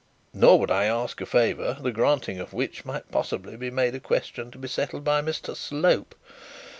Nor would I ask a favour, that granting of which might possibly be made a question to be settled by Mr Slope.